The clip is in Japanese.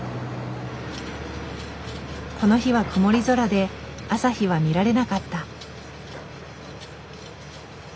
この日は曇り空で朝日は見られなかった。